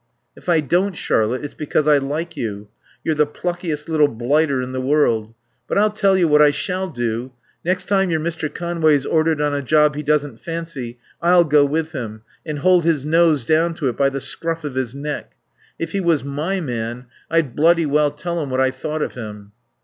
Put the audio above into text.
"If I don't, Charlotte, it's because I like you. You're the pluckiest little blighter in the world. But I'll tell you what I shall do. Next time your Mr. Conway's ordered on a job he doesn't fancy I'll go with him and hold his nose down to it by the scruff of his neck. If he was my man I'd bloody well tell him what I thought of him."